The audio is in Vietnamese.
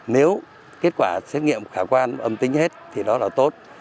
nếu kết quả xét nghiệm khả quan âm tính hết thì đó là tốt